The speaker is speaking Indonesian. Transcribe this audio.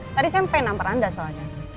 tadi saya mau nampar anda soalnya